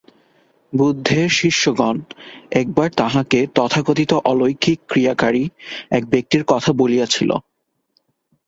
বুদ্ধের শিষ্যগণ একবার তাঁহাকে তথাকথিত অলৌকিক ক্রিয়াকারী এক ব্যক্তির কথা বলিয়াছিল।